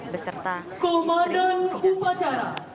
beserta komandan upacara